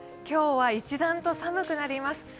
今日は一段と寒くなります。